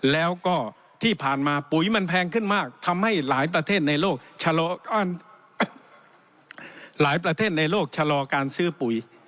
แล้วก็ที่ผ่านมาปุ๋ยมันแพงขึ้นมากทำให้หลายประเทศในโลกชะลอการซื้อปุ๋ย